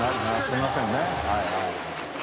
すいません。